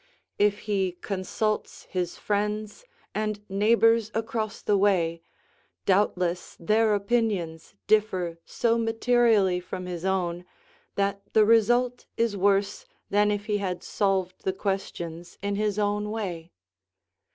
If he consults his friends and neighbors across the way, doubtless their opinions differ so materially from his own that the result is worse than if he had solved the questions in his own way.